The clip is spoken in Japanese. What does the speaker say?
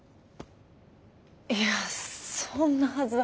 いやそんなはずは。